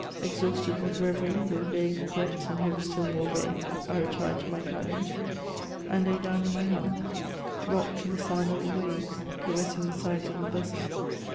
Exhausted with reverie, with vague regrets, and fa<^es still more vague, I retired to my cabin, and lay down in my 230 MEMOIRS OF hammock, rocked to the sound of the waves caressing the sides of the vessel.